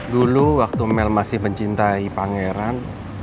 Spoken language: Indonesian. dulu waktu mel masih mencintai pangeran